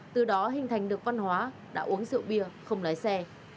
từ đó hình thành được văn hóa đã uống rượu bia không lái xe